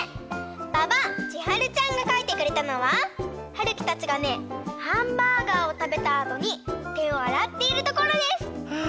ばばちはるちゃんがかいてくれたのははるきたちがねハンバーガーをたべたあとにてをあらっているところです！